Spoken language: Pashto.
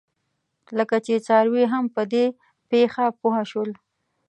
لکه چې څاروي هم په دې پېښه پوه شول.